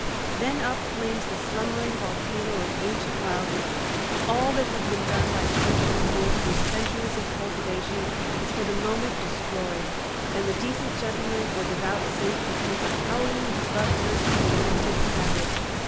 Then up flames the slumbering volcano of ancient wildness, all that has been done by church and school through centuries of cultivation is for the moment destroyed, and the decent gentleman or devout saint becomes a howling, bloodthirsty, demented savage.